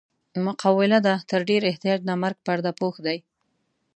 مقوله ده: تر ډېر احتیاج نه مرګ پرده پوښ دی.